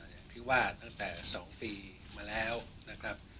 อย่างที่ว่าตั้งแต่๒ปีมาแล้วนะครับ